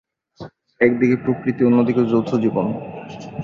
একদিকে প্রকৃতি, অন্যদিকে যৌথ জীবন।